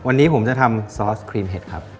วันนี้ผมจะทำซอสครีมเห็ดครับ